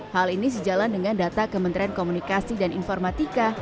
hal ini sejalan dengan data kementerian komunikasi dan informatika